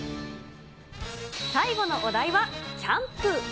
最後のお題は、キャンプ。